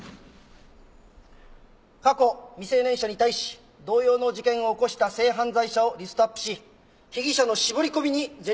過去未成年者に対し同様の事件を起こした性犯罪者をリストアップし被疑者の絞りこみに全力を挙げろ。